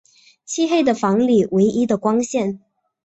漆黑的房里唯一的光线